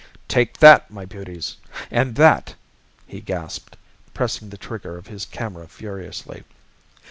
"Take that, my beauties! and that!" he gasped, pressing the trigger of his camera furiously.